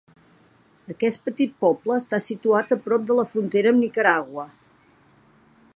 Aquest petit poble està situat a prop de la frontera amb Nicaragua.